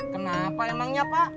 kenapa emangnya pak